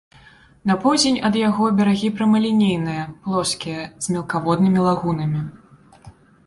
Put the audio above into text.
На поўдзень ад яго берагі прамалінейныя, плоскія, з мелкаводнымі лагунамі.